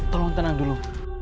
tolong tenang dulu